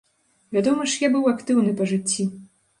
Вядома ж, я быў актыўны па жыцці.